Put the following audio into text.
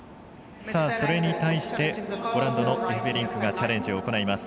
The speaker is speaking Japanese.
それに対してオランダのエフベリンクがチャレンジを行います。